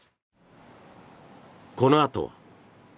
このあとは。